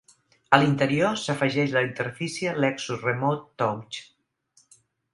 A l"interior s"afegeix la interfície Lexus Remote Touch.